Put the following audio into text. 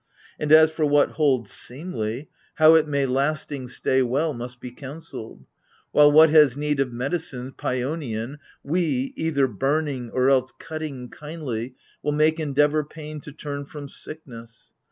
And as for what holds seemly — AGAMEMNON. 69 How it may bsting stay well, must be counseled : While what has need of medicines Paionian We, either burning or else cutting kindly, Will make endeavour pain to turn from sickness.